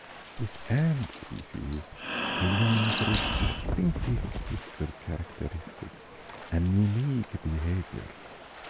This ant species is known for its distinctive physical characteristics and unique behaviors.